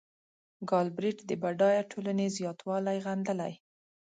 ګالبرېټ د بډایه ټولنې زیاتوالی غندلی.